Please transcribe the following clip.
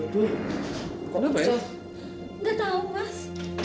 tidak tahu mas